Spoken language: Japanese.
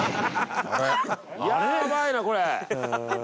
やばいなこれ！